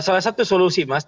salah satu solusi mas